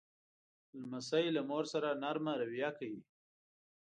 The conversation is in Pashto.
لمسی له مور سره نرمه رویه کوي.